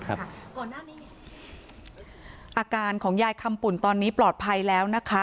อาการของยายคำปุ่นตอนนี้ปลอดภัยแล้วนะคะ